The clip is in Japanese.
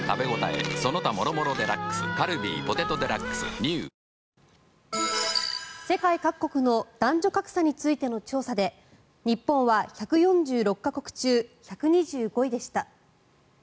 カルビー「ポテトデラックス」ＮＥＷ世界各国の男女格差についての調査で日本は１４６か国中１２５位でした。